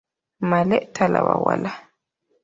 Male talaba wala.